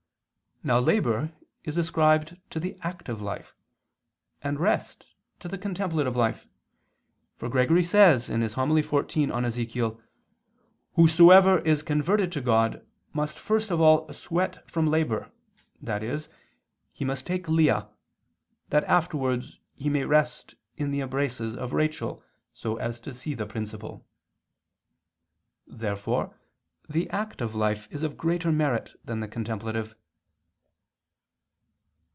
Now labor is ascribed to the active life, and rest to the contemplative life; for Gregory says (Hom. xiv in Ezech.): "Whosoever is converted to God must first of all sweat from labor, i.e. he must take Lia, that afterwards he may rest in the embraces of Rachel so as to see the principle." Therefore the active life is of greater merit than the contemplative.